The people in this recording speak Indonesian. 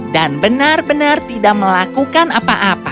dan benar benar tidak melakukan apa apa